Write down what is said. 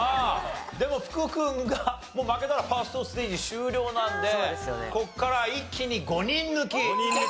でも福君がもう負けたらファーストステージ終了なのでここから一気に５人抜き。